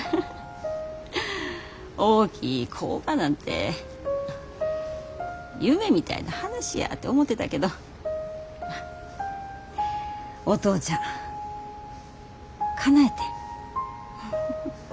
大きい工場なんて夢みたいな話やて思てたけどお父ちゃんかなえてん。